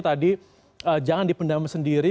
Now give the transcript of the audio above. tadi jangan dipendam sendiri